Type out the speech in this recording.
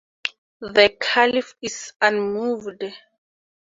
The Caliph is unmoved.